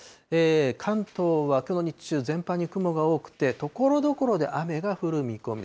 関東は日中、全般に雲が多くて、ところどころで雨が降る見込み。